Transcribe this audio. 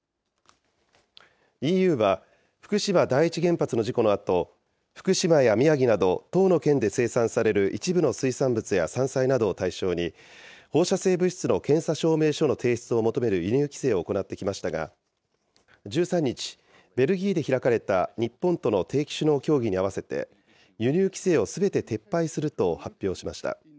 ＥＵは、福島第一原発の事故のあと、福島や宮城など、１０の県で生産される一部の水産物や山菜などを対象に、放射性物質の検査証明書の提出を求める輸入規制を行ってきましたが、１３日、ベルギーで開かれた日本との定期首脳協議に合わせて、輸入規制をすべて撤廃すると発表しました。